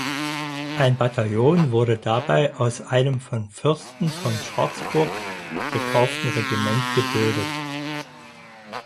Ein Bataillon wurde dabei aus einem vom Fürsten von Schwarzburg gekauften Regiment gebildet.